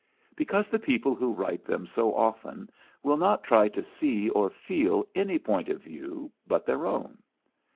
Because the people who write them so often will not try to see or feel any Point of View but their own.